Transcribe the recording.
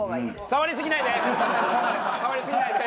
触りすぎないで！